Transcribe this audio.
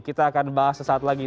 kita akan bahas sesaat lagi